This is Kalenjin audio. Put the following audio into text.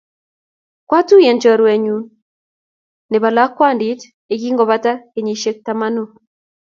Kwatuyen chorwennyu nepo lakwandit ye kingopata kenyisyek tamanu.